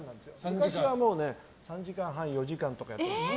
昔は３時間半、４時間とかやってました。